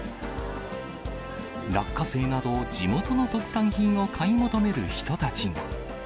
落花生など、地元の特産品を買い求める人たちが。